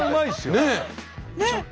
ねっ。